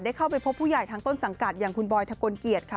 เข้าไปพบผู้ใหญ่ทางต้นสังกัดอย่างคุณบอยทะกลเกียรติค่ะ